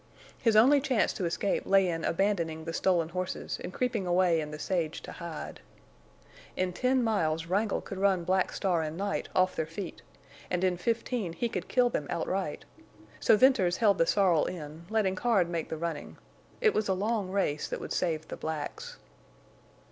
His only chance to escape lay in abandoning the stolen horses and creeping away in the sage to hide. In ten miles Wrangle could run Black Star and Night off their feet, and in fifteen he could kill them outright. So Venters held the sorrel in, letting Card make the running. It was a long race that would save the blacks.